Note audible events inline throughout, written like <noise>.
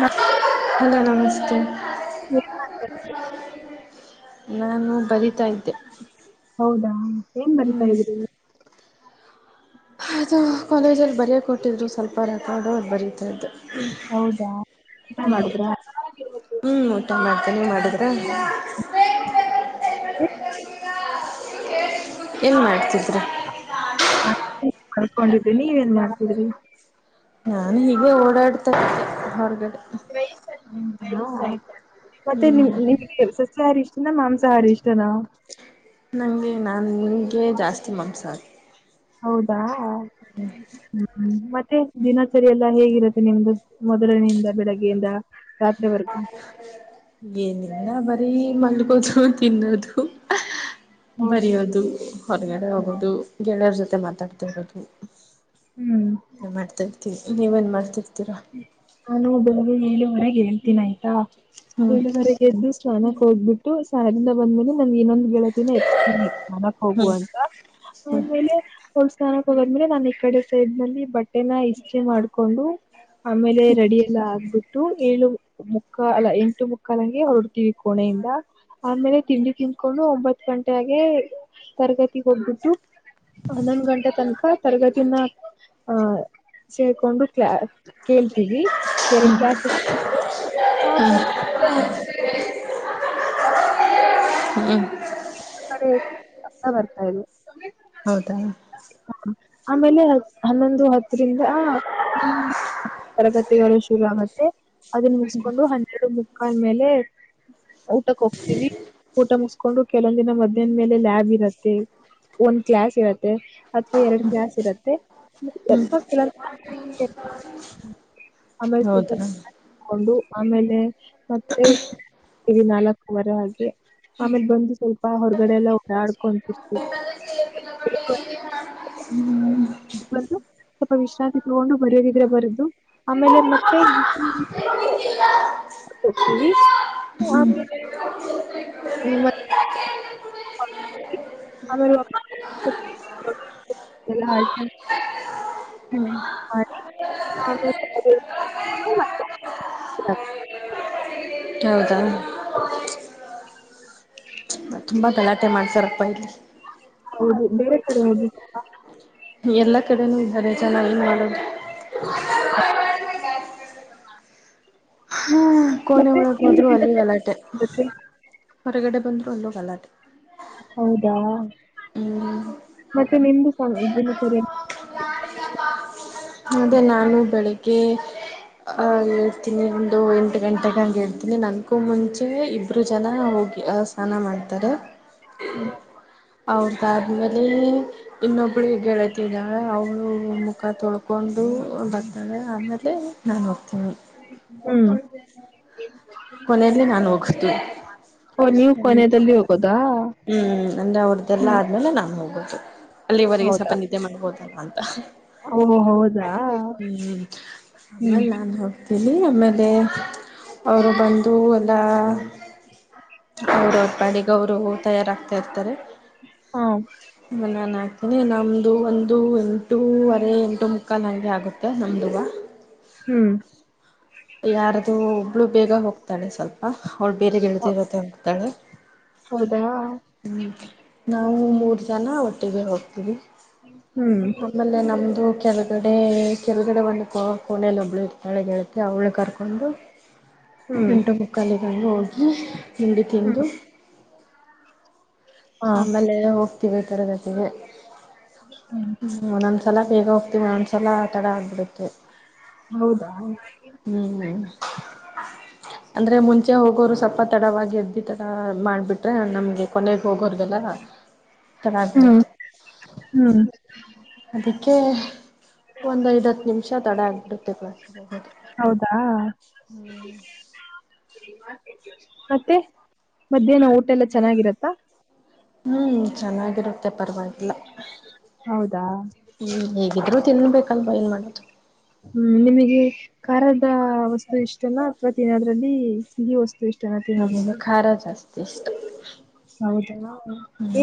ನ ಹಲೋ ನಮಸ್ತೆ ನಾನು ಬರೀ ಯತೆ ಏನ್ ಹ್ಮ್ ಬರಿತಾ ಇದ್ರಿ ಅದು ಕಾಲೇಜಲ್ಲಿ ಬರೆಯೋ ಕೊಟ್ಟಿದ್ರು ಸ್ವಲ್ಪ ರೆಕಾರ್ಡು ಅದು ಬರೀತಾ ಇದ್ದೇ ಹೌದಾ ಊಟಾ ಮಾಡಿದ್ರ ಹುಂ ಓ <unintelligible> ಮಾಡಿದ್ರೆ <unintelligible> ಏನ್ ಮಾಡ್ತಿದ್ರೆ ಅರ್ಕೊಂಡಿದಿ ನೀವ ಏನ್ ಮಾಡ್ತಿದ್ರಿ ನಾನು ಹೀಗೆ ಓಡಾಡುತ್ತಾ ಇದೆ ಹೊರಗಡೆ <unintelligible> ಮತ್ತೆ ಹ್ಮ್ ನಿಮ್ ನಿಮಗೆ ಸಸ್ಯಾಹಾರಿ ಇಷ್ಟನಾ ಮಾಂಸಾಹಾರಿ ಇಷ್ಟನಾ ನಂಗೆ ನಾ ಜಾಸ್ತಿ ಮಾಂಸಾಹಾರಿ ಹೌದಾ ಹುಂ ಮತ್ತೆ ದಿನಾಚರಿ ಎಲ್ಲ ಹೇಗಿರುತ್ತೆ ನಿಮ್ದು ಮೊದಲನೆಯಿಂದ ಬೆಳಿಗ್ಗೆಯಿಂದ ರಾತ್ರಿ ಹ ಏನಿಲ್ಲ ಬರೀ ಮಲ್ಗೋದು ತಿನ್ನೋದು ಬರಿಯೋದು ಹೊರಗಡೆ ಹೋಗೋದು ಗೆಳೆಯರ ಜೊತೆ ಮಾತಾಡ್ತಿ ಇರೋದು ಹ್ಮ್ ಮಾಡ್ತಾ ಇರ್ತಿವಿ ನೀವೇನ್ ಮಾಡ್ತಿರ್ತೀರಾ ನಾನು ಬೆಳಿಗ್ಗೆ ಏಳುವರೆಗೆ ಹೇಳ್ತೀನಿ ಆಯ್ತಾ ಹ್ಮ್ ಏಳುವರೆ ಎದ್ದು ಸ್ನಾನಕ್ಕೆ ಹೋಗ್ಬಿಟ್ಟು ಸಹಾರದಿಂದ ಬಂದ ಮೇಲೆ ನಮ್ಗೆ ಇನೊಂದು ದಿನ ಎಬ್ಬಿಸ್ತಿನಿ ಆಡಕ್ ಹೋಗುವ ಹ್ಮ್ ಅಂತ ಹ್ಮ್ ಆಮೇಲೆ ಹೊಲ್ ಸ್ನಾನಕ್ ಹೋಗದ್ಮೇಲೆ ನಾನ ಈ ಕಡೆ ಸೈಡ್ ನಲ್ಲಿ ಬಟ್ಟೆನ ಇಸ್ತ್ರಿಮಾಡ್ಕೊಂಡು ಆಮೇಲೆ ರೆಡಿ ಎಲ್ಲಾ ಆಗ್ಬೇಕ ಟು ಏಳು ಮುಕ್ಕಲ್ಲ ಎಂಟು ಮುಕ್ಕಾಲಂಗೆ ಹೊರಡ್ತೀವಿ ಕೋಣೆಯಿಂದ. ಆಮೇಲೆ ತಿಂಡಿ ತಿಂದ್ಕೊಂಡು, ಒಂಬತ್ ಗಂಟಗೆ ತರಗತಿಗ್ ಹೋಗ್ಬಿಟ್ಟು, ಹನೊಂದ್ ಗಂಟೆ ತನಕ. ತರಗತಿನ ಅ ಸೇರಕೊಂಡು ಕ್ಲಾ ಕೇಳ್ತೀವಿ. ಎರಡು ಕ್ಲಾಸ್ ಇತ್ತು ಇವತ್ತು ಹ್ಮ್ ಆಮೇಲೆ <unintelligible> ಹ್ಮ್, ಹಾಡು ಪಕ್ಕಾ ಬರ್ತಾ ಇದೇ. ಹೌದಾ ಹ ಆಮೇಲೆ ಹನ್ನೊಂದು ಹತ್ತರಿಂದ ಹ್ಮ, ತರಗತಿಗಳು ಶುರುಗತ್ತೆ. ಅದನ್ನ ಮುಗಿಸಕೊಂಡು ಹನ್ನೆರಡು ಮುಕ್ಕಾದ್ಮೇಲೆ ಊಟಕ್ಕೆ ಹೋಗತೀವಿ. ಊಟ ಮುಗಸ್ ಕೊಂಡು ಕೆಲೊಂದ ದಿನ ಮಧ್ಯಾಹ್ನ ಮೇಲೆ ಲ್ಯಾಬ್ ಇರತ್ತೆ. ಒಂದ್ ಕ್ಲಾಸ್ ಇರತ್ತೆ, ಅಥವಾ ಎರಡು ಕ್ಲಾಸ್ ಇರತ್ತೆ, <inaudible> ಹೌದಾ ಸ್ಕೊಂಡು ಆಮೇಲೆ ಮತ್ತೆ, ನಾಲ್ಕವರೆ ಆಗಿ ಆಮೇಲೆ ಬಂದು ಸ್ವಲ್ಪ, ಹಾ ಹೊರಗಡೆ ಎಲ್ಲ ಓಡಾಡ್ಕೊಂಡು ಇರ್ತಿವಿ. ಬಂದು ಸ್ವಲ್ಪ ವಿಶ್ರಾಂತಿ ತಗೊಂಡು ಬರದಿದ್ರೆ ಬರೆದು. ಆಮೇಲೆ ಮತ್ತೆ, <unintelligible> <inaudible> <inaudible> ಹ್ಮ ಮಾಡಿ ಆಮೇಲ್ ಹೌದಾ, ತುಂಬಾ ಗಲಾಟೆ ಮಾಡ್ರಪ್ಪಾ ಇಲ್ಲಿ ಹೌದು ಬೇರೆ ಕಡೆ ಹೋಗ್ಬೇಕಪ್ಪ ಎಲ್ಲಾ ಕಡೆನೂ ಇದಾರೆ ಚೆನ್ನಾಗಿ ನೋಡು. <inaudible> ಹಾ ಕೋಣೆ ಮತ್ತೆ ಒಳಗೆ ನಿಮ್ದು ಹೋದ್ರು ಅಲ್ಲಿ ಗಲಾಟೆ, ದಿನಚರಿ ಹೊರಗಡೆ ಬಂದ್ರು ಅಲ್ಲಿ ಗಲಾಟೆ, ಹೌದಾ, ಹ್ಮ್, ಮತ್ತೆ ನಿಮ್ದು ಸ ದಿನಚರಿಯ ಅದೇ ನಾನು ಬೆಳಿಗ್ಗೆ ಆ, ತಿನಿ ಒಂದು ಎಂಟು ಗಂಟೆೆಗೆ ಹಂಗೆ ಎದ್ರೆ ನನ್ಗೂ ಮುಂಚೆ ಇಬ್ಬರು ಜನ ಹೋಗಿ ಆ, ಸ್ನಾನ ಮಾಡ್ತಾರೆ. <inaudible> ಅವ್ರದಾದ್ಮೇಲೆ ಇನ್ನೊಬ್ಬಳಿಗೆ ಗೆಳತಿದಾಳೆ ಅವಳು ಮುಖ ತೊಳಕ ಕೊಂಡು ಬರ್ತಳೆ ಆಮೇಲೆ ನಾನು ಹೋಗ್ತೀನಿ. ಹ್ಮ್. ಕೊನೆಲಿ ನಾನು ಹೋಗತಿನಿ. ಓ ನೀವು ಕೊನೆಯಲ್ಲಿ ಹೋಗೋದಾ ಹ್ಮ್ ಅಂದ್ರೆ ಅವ್ರ್ದೆಲ್ಲ ಹ್ಮ್ ಆದ್ಮೇಲೆ ನಾನ್ ಹೋಗೋದು. ಅಲ್ಲಿವರೆಗೆ ಸ್ವಪ ಹೌದಾ ನಿದ್ದೆ ಮಾಡ್ಬುದಲ್ಲ ಅಂತ. ಓ ಹೌದಾ ಹ್ಮ್ ಹ್ಮ್ ಆಮೇಲ್ ನಾನು. ಹೋಗತೀನಿ. ಆಮೇಲೆ ಅವರು ಬಂದು ಎಲ್ಲ ಅವ್ರು ಅವ್ರ್ ಪಾಡಿಗೆ ತಯಾರ ಆಗ್ತಾ ಇರ್ತಾರೆ. ಹ್ಮ್. ಆಮೇಲೆ ನಾನು ಹಾಕ್ತೀನಿ ನಮ್ಮದು ಒಂದು ಎಂಟೂವರೆ ಎಂಟು ಮುಖಾಲುನಗೆ ಆಗುತ್ತೆ ನಮ್ಮದು ಹ್ಮ್ ಯಾರ್ದು ಒಬ್ಳು ಬೇಗ ಹೋಗ್ತಾರೆ ತಳೆ ಸ್ವಲ್ಪ ಅವಳು ಬೇರೆ ಗೆಳತಿಿರುತ್ತೆ ಅಂತತಾಳೆ ಹೌದಾ ಹ್ಮ್ ನಾವು ಮೂರ್ ಜನ ಒಟ್ಟಿಗೆ ಹೋಗ್ತೀವಿ ಹ್ಮ್ ಆಮೇಲೆ ನಮ್ದು ಕೆಲ ಗಡೆ ಕೆಲಗಡೆ ಒಂದು ಕೋಣೆಯಲ್ಲಿ ಒಬ್ಬಳು ಇಳಗೆ ಹೇಳ್ತಿ ಅವ್ಳ ಕರ್ಕೊಂಡು ಹ್ಮ್ ಎಂಟು ಮುಕ್ಕಾಲಗಂಗ ಹೋಗಿ ನಿಂಡಿ ಹ್ಮ್ ತಿಂದು ಹಾ ಆಮೇಲೆ ಹೋಗ್ತಿವಿ ತರ ಜೊತಿಗೆ ಹ್ಮ್ ಒಂದೊಂದ್ ಸಲ ಬೇಗ ಹೋಗ್ತೀವಿ ಒಂದ್ ಸಸಲ ಆಟ ಆಡ ಆಗ್ಬಿಡುತ್ತೆ ಹೌದಾ ಹ ಹ್ಮ್ ಅಂದ್ರೆ ಮುಂಚೆ ಹೋಗೋರು ಸ್ವಲ್ಪ ತಡವಾಗಿ ಎದ್ದಿ ತಡ ಮಾಡ್ಬಿಟ್ರೆ ನಮ್ಗೆ ಕೊನೆ ಹೋಗೋರ್ಿಗೆಲ್ಲ ಚೆನ್ನಾಗಿ್ಬಡತ್ತೆ ಹ್ಮ ಅದಕ್ಕೆ ಒಂದ್ ಐದ ಹತ್ತು ನಿಮಿಷ ತಡೆ ಆಗ್ಬಿಡುತ್ತೆ ಕ್ಲಸ್ಿಗೆ ಹೋಗ ಹೌದಾ ಮತ್ತೆ ಮಧ್ಯಾಹ್ನ ಊಟ ಎಲ್ಲ ಚೆನ್ನಾಗಿರತ್ತಾ ಹ್ಮ್ ಚೆನ್ನಾಗಿರುತ್ತೆ ಪರವಾಗಿಲ್ಲ ಹೌದಾ ಹ್ಮ್ ಹೇಗ ಇದ್ರರು ತಿನ್ಬೇಕಲ್ವಾ ಏನ್ ಮಾಡೋದು ಹ್ಮ್ ನಿಮಗೆ ಖಾರದ ವಸ್ತು ಇಷ್ಟಲ್ಲ ಅಥವಾ ತಿನ್ನದ್ರಲ್ಲಿ ಸಿಗಿ ವಸ್ತು ಇಷ್ಟ ನಮಗೆ ಖಾರ ಜಾಸ್ತಿ ಇಷ್ಟ ಹೌದ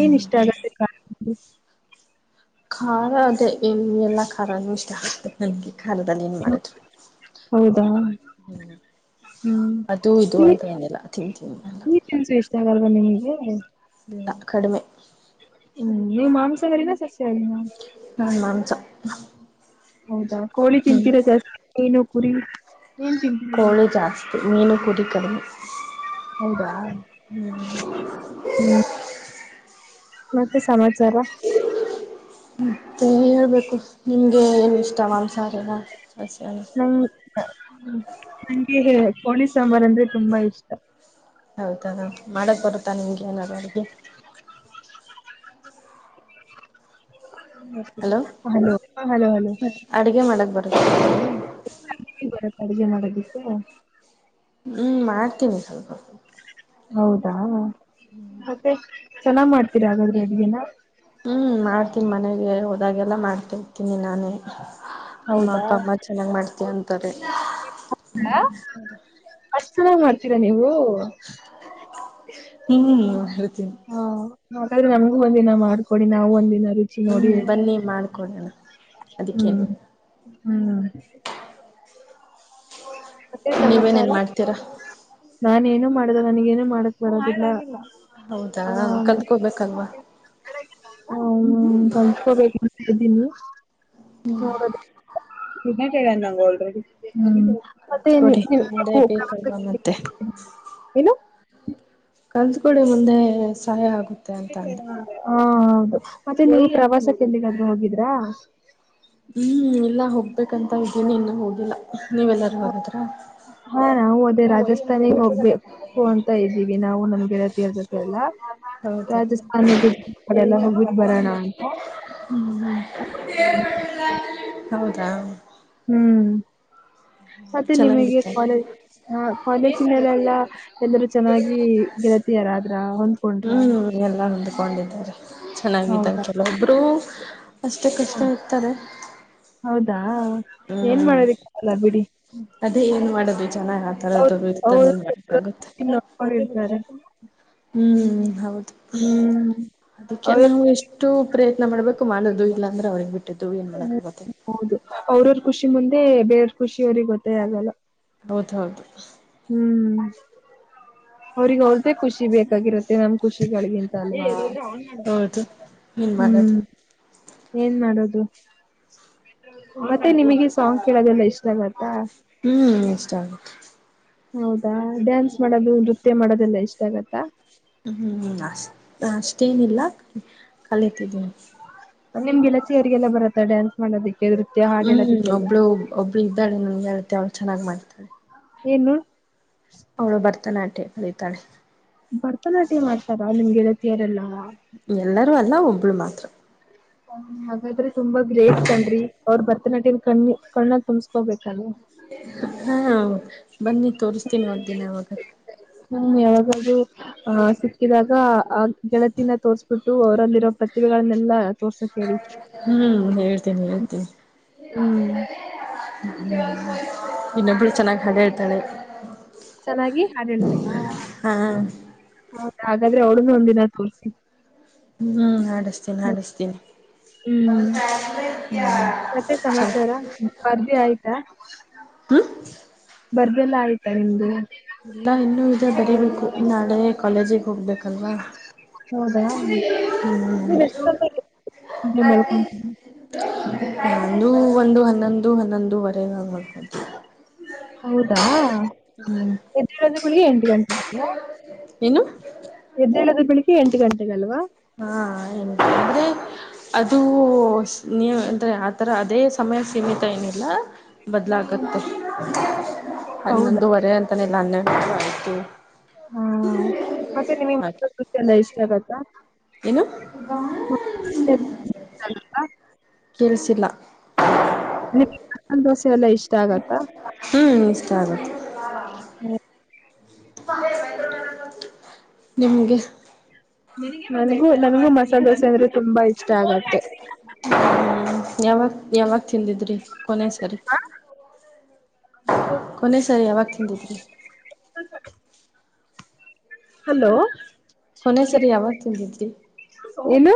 ಏನ್ ಇಷ್ಟ ಅ ಖಾರ ಅದೇ ಏನ್ ಎಲ್ಲಾ ಖಾರಾನೂ ಇಷ್ಟ ಆಗ್ತದೆ ನಂಗೆ ಕಾಲದಲ್ಲಿ ಏನ್ ಮಾಡಿದ್ರು ಹೌದಾ ಹ್ಮ್ ಹ್ಮ್ ಅದು ಇದು ಅಂತ ಏನೆಲ್ಲ ತಿಂತೀನಿ ಎಲ್ಲ ಒಂಸು ಇಷ್ಟ ಆಗಲ್ವಾ ನಿಮ್ಗೆ ಇಲ್ಲ ಕಡಿಮೆ ಹ್ಮ್ ನೀವ್ ಮಾಂಸವಾರನ ಸಸ ಆ ಹನ್ಸ ಹೌದಾ ಕೋಳಿ ತಿಂತೀರಾ ಜಾಸ್ತಿ ಏನು ಕುರಿ ಏನ್ ತಿಂತೀ ಕೋಳಿ ಜಾಸ್ತಿ ಮೀನು ಕುೂಡಿ ಕಡಿಮೆ ಹೌದಾ ಹ್ಮ್ ಹ್ಮ್ ಮತ್ತೆ ಸಮಾಚಾರ ಮತ್ತು ಹೇಳೇಬೇಕು ನಿಮಗೆ ಏನು ಇಷ್ಟ ಮಾಂ ಸಾರನ ಸಸ್ಯಾನ ನಂಗೆ ಕೋಳಿ ಸಾಂಬಾರ್ ಅಂದ್ರೆ ತುಂಬಾ ಇಷ್ಟ ಹೌದದ ಮಾಡಕ್ ಬರುತ್ತಾ ನಿಮ್ಗೆ ಏನಾರ ಅವಿಗೆ ಹಲೋ ಹಲೋ ಹಲೋ ಅಡುಗೆ ಮಾಡಕ್ ಬು <inaudible> ಬರ ಅಡುಗೆ ಮಾಡದಿಕ್ಕೆ ಹ್ಮ್ ಮ ಕೆನಿಿಸಾ ಬ ಹೌದಾ ಮತ್ತೆ ಚೆನ್ನಾಗ್ ಮಾಡ್ತೀರ ಹಾಗಾದ್ರೆ ಅಡ್ಗೆನ. ಹ್ಮ್ ಮಾಡ್ತೀನಿ ಮನೆಗೆ ಹೋದಾಗೆಲ್ಲ ಮಾಡ್ತಿರ್ತೀನಿ ನಾನೇ. ನಮ್ ಹೌದಾ ಅಪ್ಪ ಅಮ್ಮ ಚೆನ್ನಾಗ್ ಮಾಡ್ತ್ಯ ಅಂತಾರೆ. ಹಾ ಅಷ್ಟ್ ಚೆನ್ನಾಗ್ ಮಾಡ್ತೀರಾ ನೀವು. ಹ್ಮ್ ಮಾಡ್ತೀನಿ. ಹಾಗದ್ರೆ ನಮ್ಗೂ ಒಂದಿನ ಮಾಡ್ಕೊಡಿ ನಾವು ಒಂದಿನರಿ ಹ್ಮ್ ಬನ್ನಿ ಮಾಡ್ಕೊಡೋಣ. ಹ್ಮ್ ಅದಕ್ಕೇನು ಹ್ಮ್ ಮತ್ತೆನ್ ಸಮಾಚಾರ ನೀವೇನೇನ್ ಮಾಡ್ತೀರಾ ನಾನ್ ಏನು ಮಾಡುದ ನನ್ಗೇನು ಮಾಡಕ್ ಬರೋದಿಲ್ಲ. ಹೌದಾ ಕಲ್ತ್ಕೋಬೇಕಲ್ವಾ. ಓ ಹೂ ಕಲ್ತ್ಕೋ ಬೇಕಂತಿದಿನಿ. ನೋಡದೆ ಇದನ್ನ ಕೇಳಣ ನಂಗ್ ಅಲ್ರೆಡಿ. ಮತ್ತೆು ಏನು ಕಲ್ತ್ಕೊಡಿ ಮುಂದೆ ಬೇಕಲ್ವಾ ಮತ್ತೆ <unintelligible> ಏನು ಕಲ್ಸಕೊಳ್ಳಿ ಮುಂದೆ ಸಹಾಯ ಆಗುತ್ ಓ ಹಾ ಮತ್ತೆ ನೀವ್ ಪ್ರವಾಸಕ್ ಎಲ್ಲಿಗಾದ್ರು ಹೋಗಿದ್ರಾ. ಹ್ಮ್ ಇಲ್ಲ ಹೋಗ್ಬೇಕಂತ ಇದ್ದೀನಿ ಇನ್ನು ಹೋಗಿಲ್ಲಾ ನೀವೆಲ್ಲಾರೂ ಹೋಗದ್ರ. ಹಾ ನಾವು ಅದೇ ರಾಜಸ್ಥಾನಿಗೆ ಹೋಗ್ಬೇಕು ಅಂತ ಇದ ದಿವಿ ಹೀಗೆ ನಾವು ನಮ್ ಗೆಳತಿಯರ್ ಜೊತೆ ಎಲ್ಲ. ಹೌದಾ ರಾಜಸ್ಥಾನಲ್ಲ ಹೋಗ್ಬಿಟ್ ಬರೋಣ ಅಂತ. ಹ್ಞಹು ಹೌದಾ. ಹ್ಮ್ ಮತ್ತೆ ನಿಮ್ಗೆ ಚೆನ್ನಾಗಿತ್ತು ಕಾಲೇಜ್ ಕಾಲೇಜ ಮೇಲೆಲ್ಲಾ. ಎಲ್ಲರೂ ಚೆನ್ನಾಗಿ ಗೆಳತಿಯಾರದ್ರ ಹೊಂದ್ಕೊಂಡ್ರ. ಹ್ಮ್ ಎಲ್ಲ ಹೊಂದ್ಕೊಂಡಿದ್ದಾರೆ. ಚೆನ್ನಾಗಿದ್ದಾರೆ ಹೌದಾ ಕೆಲವಬ್ರು ಅಷ್ಟಕ್ ಹ ಅಷ್ಟೆ ಇರ್ತಾರೆ. ಹೌದಾ ಏನ್ ಹ್ಮ್ ಮಾಡೋದಿಕ್ಕೆಗಲ್ಲ ಬಿಡಿ. ಅದೇ ಏನ್ ಮಾಡೋದು ಚನ್ನಾಗ್ ಆ ಅವ್ರ ತರದ ಇರ್ತರ ಅವರು ಏನ್ ಮಾಡ್ಕ್ಆಗುತ್ತೆ. ನೋಡ್ಕೊಂಡಿರ್ತಾರೆ ಹ್ಮ್ ಹೌದು ಹ್ಮ್ ಅದಿಕ್ಕೆ ಅವ್ರ ನಾವು ಎಷ್ಟು ಪ್ರಯತ್ನ ಮಾಡ್ಬೇಕು ಮಾಡೋದು ಇಲ್ಲಾ ಅಂದ್ರೆ ಅವ್ರಗ್ ಬಿಟ್ಟಿದ್ದು ಏನ್ ಮಾಡಕಾಗುತ್ತೆ. ಹೌದು ಅವ್ರವ್ರ ಖುಷಿ ಮುಂದೆ ಬೇರವ್ರ ಖುಷಿ ಅವ್ರಿಗ್ ಗೊತ್ತೇ ಆಗಲ್ಲ. ಹೌದೌದು. ಹುಂ ಅವ್ರಿಗೆ ಅವರ್ದೆ ಖುಷಿ ಬೇಕಾಗಿರತ್ತೆ ನಮ್ ಖುಷಿಗಳಿಗಿಂತ ಅಲ್ವ. ಹೌದು ಏನ್ ಮಾಡದು. ಏನ್ ಮಾಡದು. ಮತ್ತೆ ನಿಮಗೆ ಸಾಂಗ್ ಕೇಳೋದೆಲ್ಲ ಇಷ್ಟಾ ಅಗತ್ತಾ. ಹ್ಮ್ ಇಷ್ಟ ಆಗುತ್ತೆ. ಹೌದಾ ಡ್ಯಾನ್ಸ್ ಮಾಡೋದು ನೃತ್ಯ ಮಾಡೋದೆಲ್ಲಾ ಇಷ್ಟ ಆಗತ್ತಾ. ಹ್ಮ್ ಅಷ್ಟ ಅಷ್ಟೇನಿಲ್ಲ ಕಲಿತಿದ್ದಿನಿ. ನಿಮ್ಗೆಲ್ಲ ಚೇರಿಗೆಲ್ಲ ಬರತ್ತಾ ಡ್ಯಾನ್ಸ್ ಮಾಡೋದಕ್ಕೆ ಹ್ಮ್ ಒಬ್ಳು ಒಬ್ಳ ಇದ್ದಾಳೆ ನನ್ಗೆ ಹೇಳ್ತ ಅವ್ಳು ಚನ್ನ್ ಮಾಡ್ತಾಳೆ. ಏನು ಅವ್ಳು ಭರ್ತನಾಟ್ಯ ಕಲಿತಾಳೆ. ಭರತನಾಟ್ಯ ಮಾಡ್ತಾರ ನಿಮ್ಗೆಳತಿಯರೆಲ್ಲ. ಎಲ್ಲರೂ ಅಲ್ಲ ಒಬ್ಳು ಮಾತ್ರ. ಹ ಹಾಗಾದ್ರೆ ತುಂಬಾ ಗ್ರೇಟ್ ಕಣ್ರಿ ಅವ್ರ ಭರತನಾಟ್ಯನ ಕಣ್ಣ ಕಣ್ಣಾಗ ತುಂಬ್ಸ್ಕೋಬೇಕಲ್ ಹಾ ಬನ್ನಿ ತೋರಿಸ್ತೀನಿ ಒಂದ ದಿನ ಅವಾಗ ಹ್ಮ ಯಾವಾಗದ್ರು ಆಹ ಸಿಕ್ಕಿದಾಗ ಆ ಗೆಳತಿನ ತೋರ್ಸ್ಬಿಟ್ಟು ಅವರಲ್ಲಿರೋ ಪ್ರತಿಭೆಗಳನ್ನೆಲ್ಲಾ ತೋರ್ಸಕ್ ಹೇಳಿ ಹ್ಮ್ ಹೇಳ್ತೀನಿ ಹೇಳ್ತೀನಿ ಹ್ಮ್ ಹ್ಮ ಇನ್ನೊಬಳ ಚೆನ್ನಾಗಿ ಹಡೆ ಹೇಳ್ತಾಳೆ ಚೆನ್ನಾಗಿ ಹಾಡಿಳ್ತಲ್ಲ ಹಾ ಹಾಗಾದ್ರೆ ಅವಳನ್ ಒಂದಿನ ತೋರ್ಸಿ ಹ್ಮ್ ಅಡಸ್ ಚಿನಷ್ಟತೀನಿ ಹ್ಮ್ ಮತ್ತೆ ಸಮಾಚಾರ ಬರ್ದಿ ಆಯ್ತಾ ಬರ್ದೆ ಎಲ್ಲ ಆಯ್ತಾ ನಿಮ್ದು ಇಲ್ಲ ಇನ್ನುೂ ಇ ಬರೀಬೇಕು ನಾಳೆ ಕಾಲೇಜಿಗೆ ಹೋಗ್ಬೇಕು ಕಲ್ವಾ ಹೌದಾ ನೀವ್ ಹ್ಮ್ ಹೆ ಮಾಡಳ್ಕೊ ನಂದು ಒಂದು ಹನ್ನೊಂದು ಹನ್ನೊಂದುುವರೆ ನಂಗ ಮಾಡಬ ಹೌದಾ ಹ್ಮ್ ಹೆದ್ದೇಳಂದ ಬೆಳಿಗ್ಗೆ ಎಂಟು ಗಂಟೆ ಏನು ಎದ್ದೇಳದ ಬೆಳಗ್ಗೆ ಎಂಟ ಗಂಟೆಗೆಲ್ವಾ ಹಾ ಎ ಅಂದ್ರೆ ಅದು ನೀವು ಅಂದ್ರೆ ಆ ಥರ ಅದೇ ಸಮಯ ಸೀಮಿತ ಏನಿಲ್ಲ ಬದಲ ಹೌದಾ ಹನ್ನೊಂದುವರೆ ಅಂತಾನೆಲ್ಲ ಅನ್ನೆ ಆತ ಹಾ ಮತ್ತೆ ನಿಮಗ್ ಮಕ್ಕ ಕೃಷ ಎಲ್ಲ ಇಷ್ಟ ಆಗತ್ತಾ ಏನು ಕೇಳಸಿಲ್ಲ ನ ದೋಸೆ ಎಲ್ಲ ಇಷ್ಟ ಆಗತ್ತಾ? ಹ್ಮ್ ಇಷ್ಟ ಆಗುತ್ತೆ ನಿಮ್ಗೆ ನನಗೂ ನಮಗೂ ಮಸಾಲೆ ದೋಸೆ ಅಂದ್ರೆ ತುಂಬಾ ಇಷ್ಟ ಆಗತ್ತೆ ಹ ಯಾವಾಗ ಯಾವಾಗ ತಿಂದಿದ್ರಿ ಕೊನೆ ಸರಿ ಹ ಕೊನೆ ಸರಿ ಯಾವಾಗ ತಿಂದಿದ್ರರಿ ಅ ಹಲೋ ಕೊನೆ ಸರಿ ಯಾವಾಗ ತಿಂದಿದ್ರರಿ ಏನು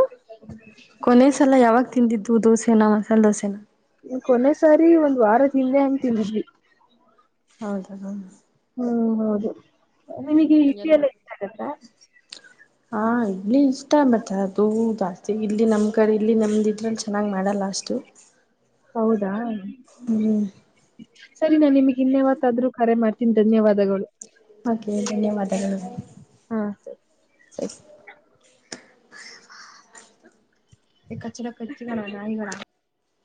ಕೊನೆಸಲ ಯಾವಾಗ ತಿಂದಿದ್ದು ದೋಸೆನಾ ಮಸಾಲೆ ದೋಸೆನ ಕೊನೆ ಸಾರಿ ಒಂದ್ ವಾರದ ಹಿಂದೆ ಹಂಗ್ ತಿಂದಿದ್ವಿ ಹೌದ ಹ್ಮ್ ಹೌದು ಹ್ಮ್ ಎಲ್ಲಿ ಅ ಹ ಇಲಿ ಇಷ್ಟ ಬರ್ತಾರೆ ಅದು ಜಾಸ್ತಿ ಇಲ್ಲಿ ನಮ್ ಕಡೆ ಇಲ್ಲಿ ನಮ್ದ ಇದ್ರಲ್ಲಿ ಚೆನ್ನಾಗ್ ಮಾಡಲ್ಲ ಅಷ್ಟು ಹೌದಾ ಹ್ಮ್ ಸರಿ ನಾನ್ ನಿಮಗ್ ಇನ್ನೆವತ್ತ ಆದರು ಕರೆ ಮಾಡ್ತೀನಿ ಧನ್ಯವಾದಗಳು ಓಕೆ ಧನ್ಯವಾದಗಳು ಹಾ ಸರಿ ಸರಿ ಈ ಕಚ್ಚಡ ಕಟ್ಟಿ ನಾಯಿಗಳ